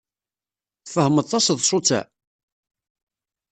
Tfehmeḍ taseḍsut-a?